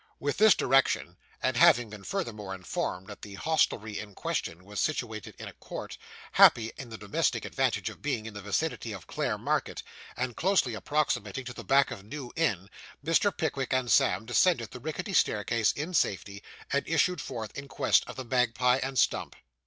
With this direction, and having been furthermore informed that the hostelry in question was situated in a court, happy in the double advantage of being in the vicinity of Clare Market, and closely approximating to the back of New Inn, Mr. Pickwick and Sam descended the rickety staircase in safety, and issued forth in quest of the Magpie and Stump.